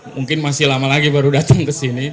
mungkin masih lama lagi baru datang ke sini